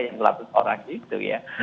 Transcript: yang dua ratus orang itu ya